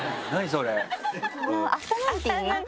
それ。